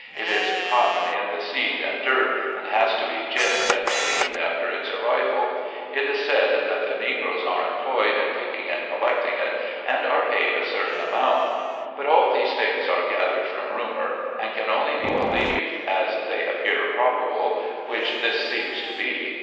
It is cotton in the seed and dirt, and has to be giimed and cleaned after its arrival. It is said that LETTERS TO WIFE AND DAUGHTERS 65 the negroes are employed in picking and collecting it, and are paid a certain amount. But all these things are gathered from rumovir, and can only be believed as they appear probable, which this seems to be.